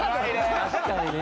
確かにね。